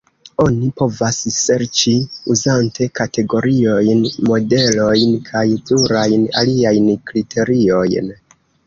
Oni povas serĉi, uzante kategoriojn, modelojn kaj plurajn aliajn kriteriojn.